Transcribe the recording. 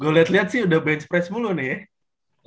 gue lihat lihat sih udah bench press mulu nih ya